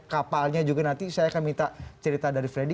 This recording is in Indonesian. kapalnya juga nanti saya akan minta cerita dari freddy